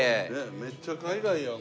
めっちゃ海外やん。